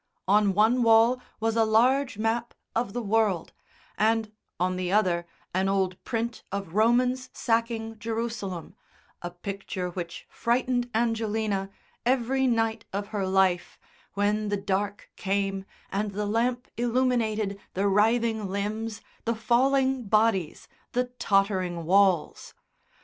On one wall was a large map of the world, and on the other an old print of Romans sacking Jerusalem, a picture which frightened Angelina every night of her life, when the dark came and the lamp illuminated the writhing limbs, the falling bodies, the tottering walls.